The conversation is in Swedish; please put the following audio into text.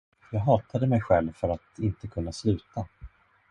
Jag hatade mig själv för att inte kunna sluta.